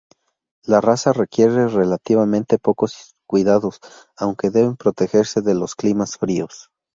La raza requiere relativamente pocos cuidados, aunque deben protegerse de los climas fríos.